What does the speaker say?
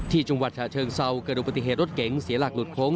จังหวัดฉะเชิงเซาเกิดดูปฏิเหตุรถเก๋งเสียหลักหลุดโค้ง